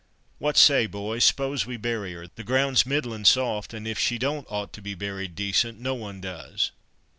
What say, boys, s'pose we bury her? the ground's middlin' soft, and if she don't ought to be buried decent, no one does."